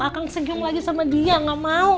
akan senyum lagi sama dia gak mau